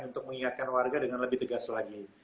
untuk mengingatkan warga dengan lebih tegas lagi